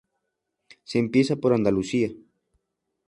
Se empieza por Andalucía.